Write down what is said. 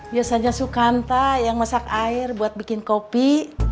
biasanya sukanta yang masak air buat bikin kopi